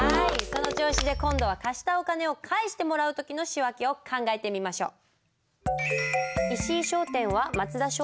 その調子で今度は貸したお金を返してもらう時の仕訳を考えてみましょう。